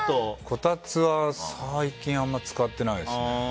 こたつは最近あまり使ってないですね。